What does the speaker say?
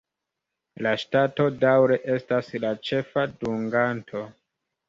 La ŝtato daŭre estas la ĉefa dunganto.